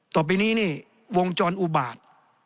ต่อไปนี้วงจรอุบาท